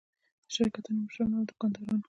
د شرکتونو مشرانو او دوکاندارانو.